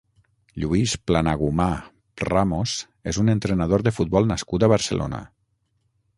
Lluís Planagumà Ramos és un entrenador de futbol nascut a Barcelona.